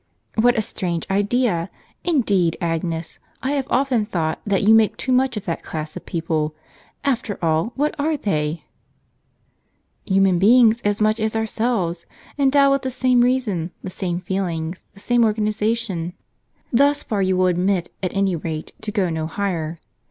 "What a strange idea! Indeed, Agnes, I have often thought that you make too much of that class of people. After all, what are they?" " Human beings as much as ourselves, endowed with the same reason, the same feelings, the same organization. Thus Saint Agnes. From an old vase preserved in the Vatican Museum. far you will admit, at any rate, to go no higher.